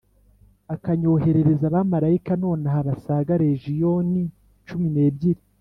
akanyoherereza abamarayika nonaha basaga legiyoni cumi n’ebyiri